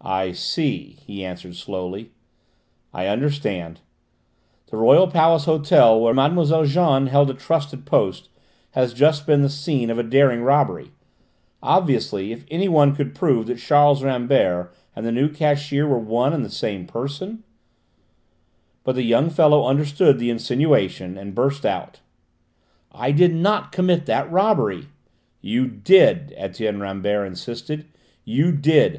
"I see!" he answered slowly. "I understand.... The Royal Palace Hotel, where Mlle. Jeanne held a trusted post, has just been the scene of a daring robbery. Obviously, if anyone could prove that Charles Rambert and the new cashier were one and the same person " But the young fellow understood the insinuation and burst out: "I did not commit that robbery!" "You did!" Etienne Rambert insisted: "you did.